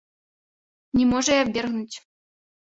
Не можа і абвергнуць.